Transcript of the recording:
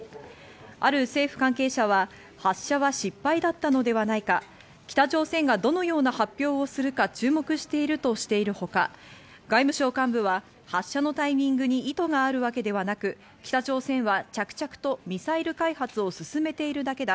ある政府関係者は、発射は失敗だったのではないか、北朝鮮がどのような発表をするか注目しているとしているほか、外務省幹部は発射のタイミングに意図があるわけではなく、北朝鮮は着々とミサイル開発を進めているだけだ。